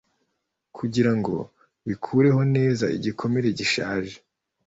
kugirango bikureho neza igikomere gishaje,